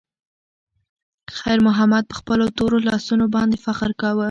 خیر محمد په خپلو تورو لاسونو باندې فخر کاوه.